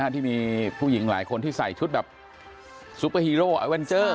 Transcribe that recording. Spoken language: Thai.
ที่มีผู้หญิงหลายคนที่ใส่ชุดแบบซุปเปอร์ฮีโร่ไอเวนเจอร์